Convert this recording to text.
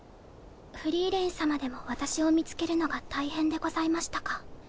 フリーレン様でも私を見つけるのが大変でございましたか？